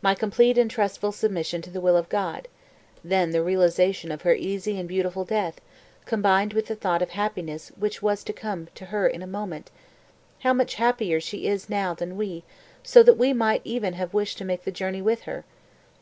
my complete and trustful submission to the will of God, then the realization of her easy and beautiful death, combined with the thought of the happiness which was to come to her in a moment, how much happier she now is than we, so that we might even have wished to make the journey with her.